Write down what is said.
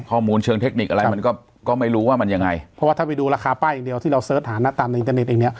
ข้อมูลเชิงเทคนิคอะไรมันก็ก็ไม่รู้ว่ามันยังไงเพราะว่าถ้าไปดูราคาป้ายอย่างเดียวที่เราเสิร์ชหานะตามอินเทอร์เน็ตอย่างเนี้ย